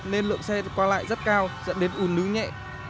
nên lượng xe qua lại rất cao dẫn đến ùn nướng nhẹ